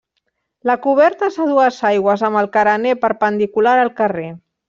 La coberta és a dues aigües amb el carener perpendicular al carrer.